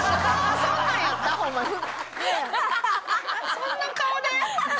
そんな顔で？